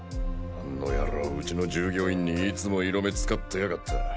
あの野郎うちの従業員にいつも色目つかってやがった。